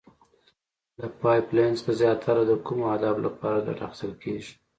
له پایپ لین څخه زیاتره د کومو اهدافو لپاره ګټه اخیستل کیږي؟